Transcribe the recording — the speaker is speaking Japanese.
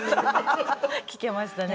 聞けましたね。